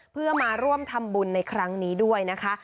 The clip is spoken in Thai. เพื่อมาร่วมทำบุญในครั้งนี้ด้วยนะคะ